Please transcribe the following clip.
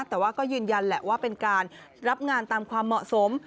แต่ว่าก็ยืนยันแหละว่าเป็นการรับงานตามความเหมาะสม